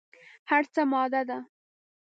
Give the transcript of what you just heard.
هر څه ماده ده.